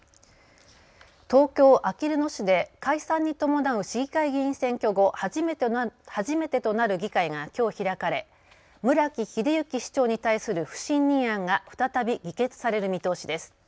東京あきる野市で解散に伴う市議会議員選挙後、初めてとなる議会がきょう開かれ村木英幸市長に対する不信任案が再び議決される見通しです。